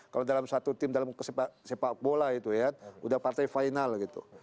kalau dalam satu tim dalam sepak bola itu ya udah partai final gitu